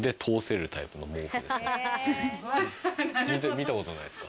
見たことないですか？